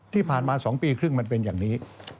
ที่ผ่านมา๒ปีครึ่งมันเป็นอย่างนี้